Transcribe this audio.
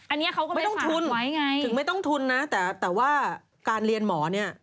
อันนี้เขาก็ไปตามไว้ไงไม่ต้องทุนนะแต่ว่าการเรียนหมอนี่